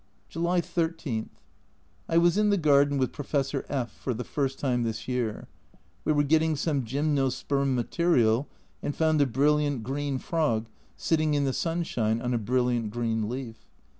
July 13. I was in the garden with Professor F for the first time this year. We were getting some gymnosperm material, and found a brilliant green frog sitting in the sunshine on a brilliant green leaf.